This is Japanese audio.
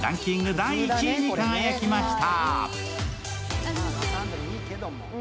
第１位に輝きました。